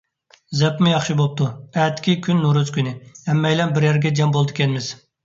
زەپمۇ ياخشى بوپتۇ، ئەتىكى كۈن نورۇز كۈنى، ھەممەيلەن بىر يەرگە جەم بولىدىكەنمىز.